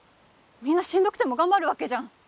みんなしんどくても頑張るわけじゃん